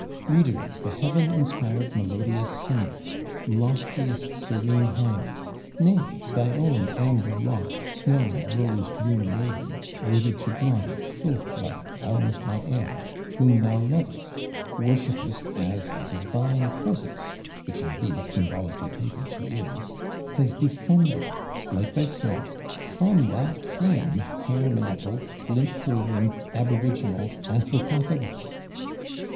"Reader, the heaven inspired melodious Singer; loftiest Serene Highness; nay, thy own amber locked, snow and rose bloom Maiden, worthy to glide sylph like almost on air, whom thou lovest, worshipest as a divine Presence, which, indeed, symbolically taken, she is, has descended, like thyself, from that same hair mantled, flint hurling Aboriginal Anthropophagus!